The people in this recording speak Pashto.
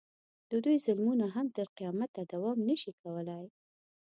د دوی ظلمونه هم تر قیامته دوام نه شي کولی.